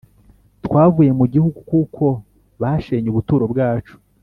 Twavuye mu gihugu kuko bashenye ubuturo bwacu